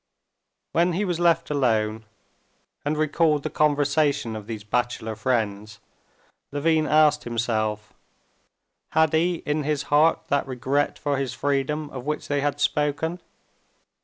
When he was left alone, and recalled the conversation of these bachelor friends, Levin asked himself: had he in his heart that regret for his freedom of which they had spoken?